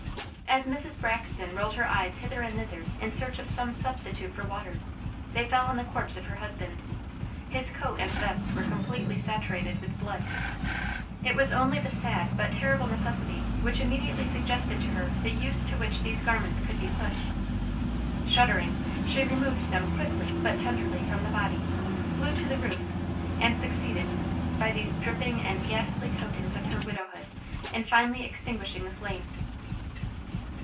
As Mrs. Braxton rolled her eyes hither and thither in search of some substitute for water, they fell on the corpse of her husband. His coat and vest were completely saturated with blood. It was only the sad but terrible necessity which immediately suggested to her the use to which these garments could be put. Shuddering, she removed them quickly but tenderly from the body, flew to the roof and succeeded, by these dripping and ghastly tokens of her widowhood, in finally extinguishing the flames.